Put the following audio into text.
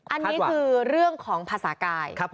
อันนี้คือเรื่องของภาษากาย